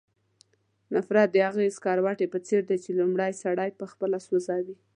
نفرت د هغې سکروټې په څېر دی چې لومړی سړی پخپله سوځوي.